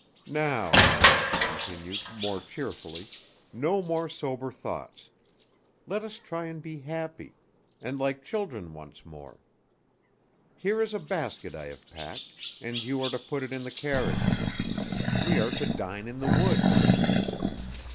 "Now," she continued more cheerfully, "no more sober thoughts. Let us try and be happy, and like children once more. Here is a basket I have packed, and you are to put it in the carriage. We are to dine in the woods."